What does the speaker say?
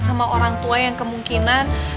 sama orang tua yang kemungkinan